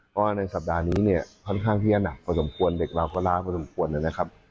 เพราะว่าในสัปดาห์นี้เนี่ยค่อนข้างที่จะหนักพอสมควรเด็กเราก็ล้าพอสมควรนะครับ